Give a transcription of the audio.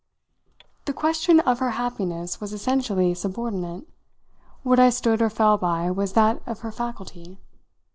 The question of her happiness was essentially subordinate; what I stood or fell by was that of her faculty.